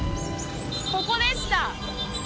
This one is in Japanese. ここでした！